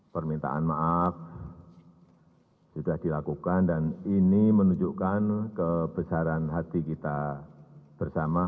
permintaan maaf sudah dilakukan dan ini menunjukkan kebesaran hati kita bersama